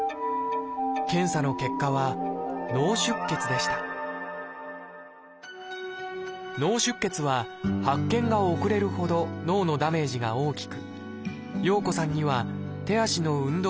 検査の結果は「脳出血」は発見が遅れるほど脳のダメージが大きく洋子さんには手足の運動